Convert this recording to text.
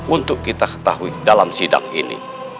untuk kita ketahui dalam sidang ini